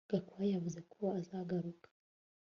Gakwaya yavuze ko azagaruka